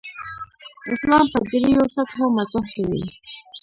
اسلام په درېو سطحو مطرح کوي.